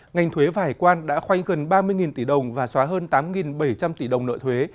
ngành thuế và hải quan đã khoanh gần ba mươi tỷ đồng và xóa hơn tám bảy trăm linh tỷ đồng nợ thuế